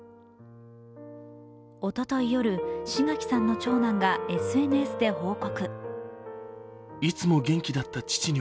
おととい夜、志垣さんの長男がＳＮＳで報告。